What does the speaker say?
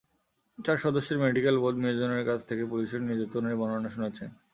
চার সদস্যের medical board মিজানুরের কাছ থেকে পুলিশের নির্যাতনের বর্ণনা শুনেছেন।